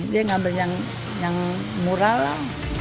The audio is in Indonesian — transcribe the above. dia ngambil yang murah lah